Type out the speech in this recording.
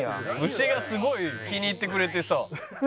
「牛がすごい気に入ってくれてさ」